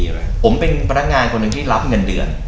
ผมเป็นพนักงานคนที่รับเงินเดือน